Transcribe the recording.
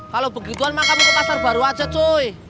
kalo begituan maka mau ke pasar baru aja cuy